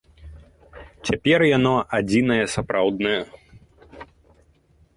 Цяпер яно адзінае сапраўднае.